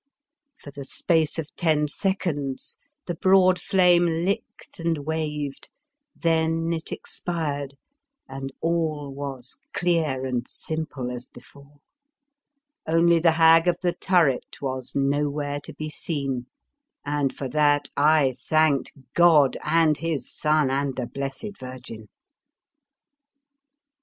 For the 86 The Fearsome Island space of ten seconds the broad flame licked and waved, then it expired and all was clear and simple as before, only the Hag of the Turret was nowhere to be seen, and for that I thanked God and His Son and the Blessed Virgin.